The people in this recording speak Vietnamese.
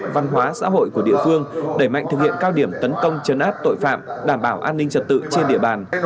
văn hóa xã hội của địa phương đẩy mạnh thực hiện cao điểm tấn công chấn áp tội phạm đảm bảo an ninh trật tự trên địa bàn